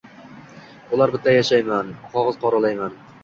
Ular bilan yashayman, qog’oz qoralayman